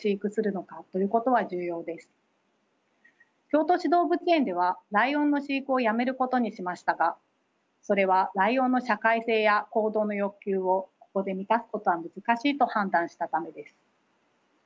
京都市動物園ではライオンの飼育をやめることにしましたがそれはライオンの社会性や行動の欲求をここで満たすことは難しいと判断したためです。